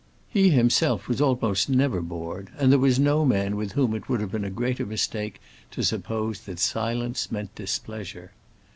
He himself was almost never bored, and there was no man with whom it would have been a greater mistake to suppose that silence meant displeasure.